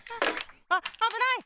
あっあぶない！